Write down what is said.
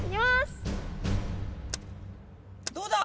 どうだ？